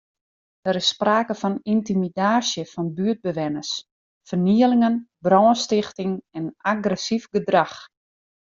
Der is sprake fan yntimidaasje fan buertbewenners, fernielingen, brânstichting en agressyf gedrach.